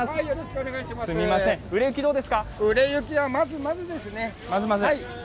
売れ行きはまずまずでね。